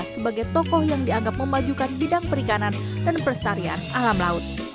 sebagai tokoh yang dianggap memajukan bidang perikanan dan pelestarian alam laut